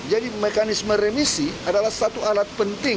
jadi mekanisme remisi adalah satu alat penting